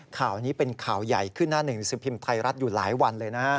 ข่าวนี้เป็นข่าวใหญ่ขึ้นหน้าหนึ่งสิบพิมพ์ไทยรัฐอยู่หลายวันเลยนะฮะ